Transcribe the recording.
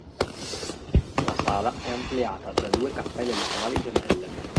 La sala è ampliata da due cappelle laterali gemelle.